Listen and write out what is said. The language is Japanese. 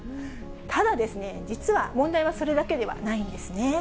ただ、実は問題はそれだけではないんですね。